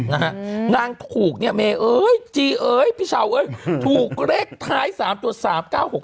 นะฮะนางถูกเนี่ยเม๋เอยจริเอ๋ยพิเศรษฐ์เอ๋ยถูกเล็กท้ายสามต่อสามเก้าหก